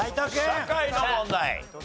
社会の問題。